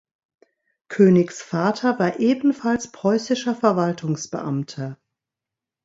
Koenigs Vater war ebenfalls preußischer Verwaltungsbeamter.